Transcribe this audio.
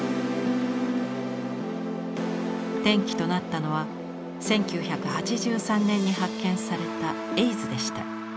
転機となったのは１９８３年に発見された「エイズ」でした。